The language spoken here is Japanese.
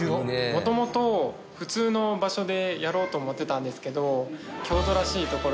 元々普通の場所でやろうと思ってたんですけど。